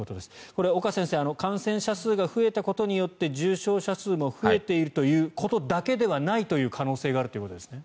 これ、岡先生感染者数が増えたことによって重症者数も増えているということだけではないという可能性があるということですね？